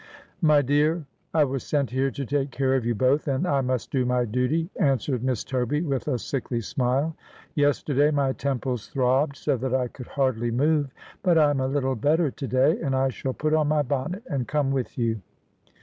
' My dear, I was sent here to take care of you both, and I must do my duty,' answered Miss Toby with a sickly smile. ' Yesterday my temples throbbed so that I could hardly move, but I am a little better to day, and I shall put on my bonnet and come with you.'